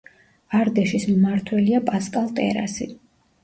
არდეშის მმართველია პასკალ ტერასი.